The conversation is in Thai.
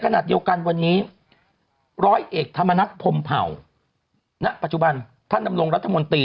ณปัจจุบันท่านดำรงรัฐมนตรี